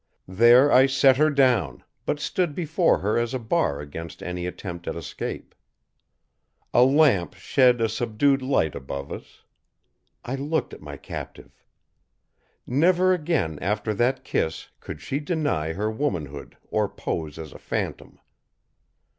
There I set her down, but stood before her as a bar against any attempt at escape. A lamp shed a subdued light above us. I looked at my captive. Never again after that kiss could she deny her womanhood or pose as a phantom.